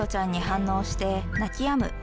「反応して泣きやむ」